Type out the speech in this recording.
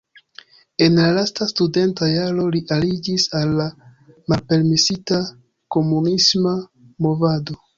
En la lasta studenta jaro li aliĝis al la malpermesita komunisma movado.